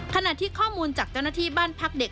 ขณะที่ข้อมูลจากเจ้าหน้าที่บ้านพักเด็ก